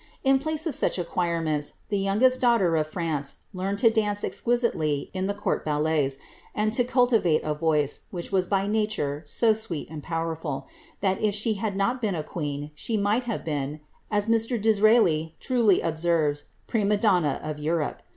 In place of such acquirements the youngest daughter of France learned to dance exquisitely in the court bcJlets, and to culti vate a voice, which was by nature so sweet and powerful, that if she had not been a queen, she might have been, as Mr. D'Israeli truly ob serves, prima donna of Europe.